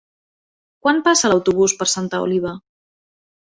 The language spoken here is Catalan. Quan passa l'autobús per Santa Oliva?